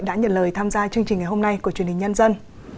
đã nhận lời tham gia chương trình ngày hôm nay của truyền hình nhân dân